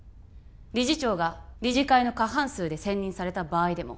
「理事長が理事会の過半数で選任された場合でも」